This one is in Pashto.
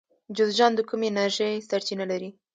جوزجان د کومې انرژۍ سرچینه لري؟